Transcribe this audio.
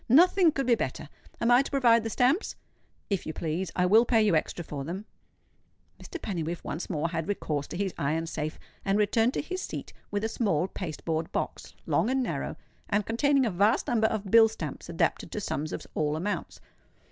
Nothing could be better. Am I to provide the stamps?" "If you please. I will pay you extra for them." Mr. Pennywhiffe once more had recourse to his iron safe, and returned to his seat with a small paste board box, long and narrow, and containing a vast number of bill stamps adapted to sums of all amounts.